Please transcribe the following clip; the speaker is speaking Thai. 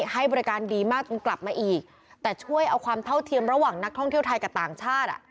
ให้บริการดีมากจนกลับมาอีกแต่ช่วยเอาความเท่าเทียมระหว่างนักท่องเที่ยวไทยกับต่างชาติ